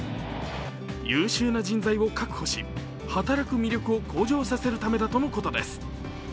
優秀な人材を確保し、働く魅力を向上させるためだとのことです。